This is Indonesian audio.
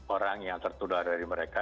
orang yang tertular dari mereka